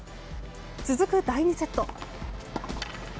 続く第２セット。